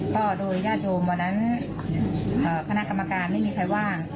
ก็โดยญาติโยมวันนั้นคณะกรรมการไม่มีใครว่าง